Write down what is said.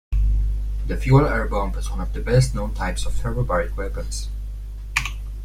The fuel-air bomb is one of the best-known types of thermobaric weapons.